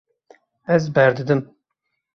Ez berdidim.